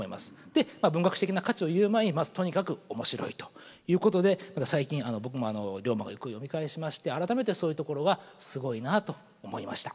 で文学史的な価値を言う前にまずとにかく面白いということでまた最近僕も「竜馬がゆく」を読み返しまして改めてそういうところはすごいなと思いました。